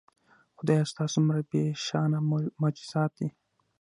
خدایه ستا څومره بېشانه معجزات دي